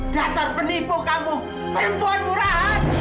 dasar penipu kamu perempuan murah